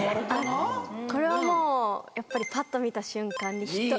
これはもうやっぱりパッと見た瞬間に。